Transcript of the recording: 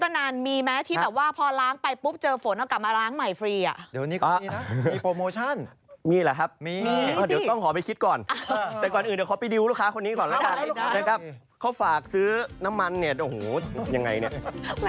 แต่ก่อนอื่นเดี๋ยวเข้าไปดิวลูกค้าคนนี้ก่อนนะคะนะครับเขาฝากซื้อน้ำมันเนี่ยโอ้โหยังไงเนี่ย